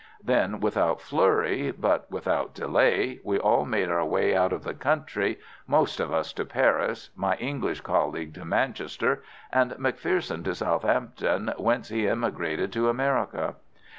Then, without flurry, but without delay, we all made our way out of the country, most of us to Paris, my English colleague to Manchester, and McPherson to Southampton, whence he emigrated to America.